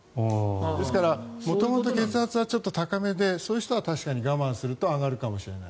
ですから元々、血圧がちょっと高めでそういう人は確かに我慢すると上がるかもしれない。